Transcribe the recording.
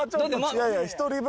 １人分。